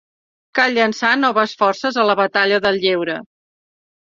Cal llançar noves forces a la batalla del lleure.